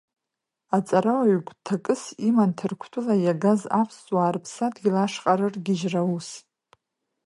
Аҵарауаҩ гәҭакыс иман ҭырқәтәыла иагаз аԥсуаа рыԥсадгьыл ашҟа рыргьежьра аус.